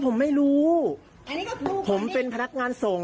ผมไม่รู้ผมเป็นพนักงานส่ง